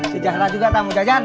sejahrah juga tamu jajan